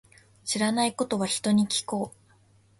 知らないことは、人に聞こう。